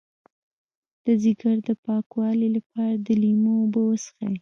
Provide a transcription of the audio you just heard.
د ځیګر د پاکوالي لپاره د لیمو اوبه وڅښئ